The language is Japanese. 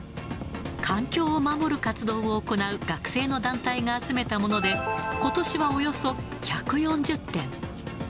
環境を守る活動を行う学生の団体が集めたもので、ことしはおよそ１４０点。